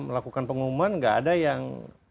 melakukan pengumuman gak ada yang